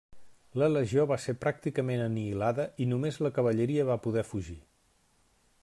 La legió va ser pràcticament anihilada i només la cavalleria va poder fugir.